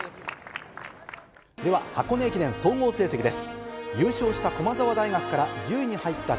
では箱根駅伝総合成績です。